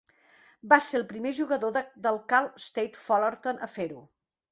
Va ser el primer jugador del Cal State Fullerton a fer-ho.